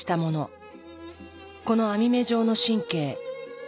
この網目状の神経